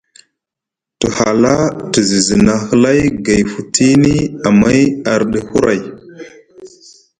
Te hala te zizina hlay gay futini amay arɗi huray.